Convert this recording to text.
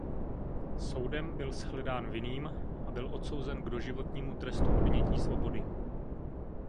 Soudem byl shledán vinným a byl odsouzen k doživotnímu trestu odnětí svobody.